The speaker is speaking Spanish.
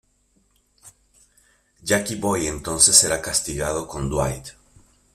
Jackie Boy entonces será castigado con Dwight.